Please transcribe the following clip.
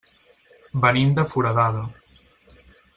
Venim de Foradada.